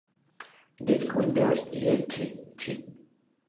Dick Winters y el Tte.